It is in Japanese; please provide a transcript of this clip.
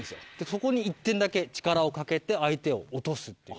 そこに一点だけ力をかけて相手を落とすっていう。